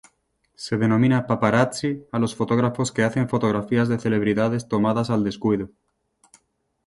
Se denomina "paparazzi" a los fotógrafos que hacen fotografías de celebridades tomadas al descuido.